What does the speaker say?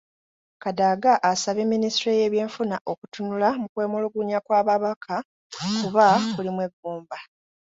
Kadaga asabye Minisitule y'ebyenfuna okutunula mu kwemulugunya kw'ababaka kuba kulimu eggumba.